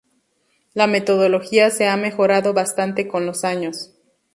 La metodología se ha mejorado bastante con los años.